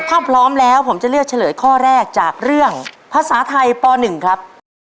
ถ้าพร้อมแล้วผมจะเลือกเฉลยข้อแรกจากเรื่องภาษาไทยป๑ครับ